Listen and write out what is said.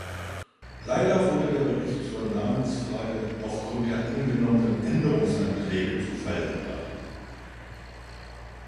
Leider wurde der Bericht zur Namensfrage aufgrund der angenommenen Änderungsanträge zu Fall gebracht.